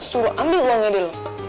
suruh ambil uangnya dulu